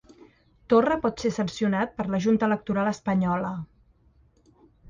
Torra pot ser sancionat per la Junta Electoral espanyola